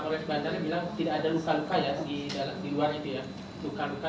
tentang penyebab luka yang paling utama